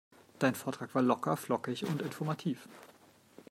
Dein Vortrag war locker, flockig und informativ.